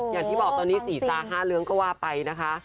อย่างที่บอกตอนนี้๔ซา๕เรื่องก็ว่าไปนะคะ